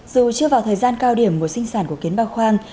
dù chưa vào thời gian cao điểm mùa sinh sản của kiến ba khoang